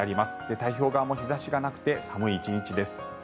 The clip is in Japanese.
太平洋側も日差しがなくて寒い１日です。